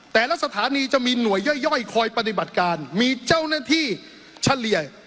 แต่ละสถานีจะมีหน่วยย่อยคอยปฏิบัติการมีเจ้าหน้าที่เฉลี่ย